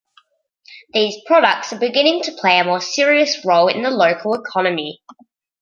These products are beginning to play a more serious role in the local economy.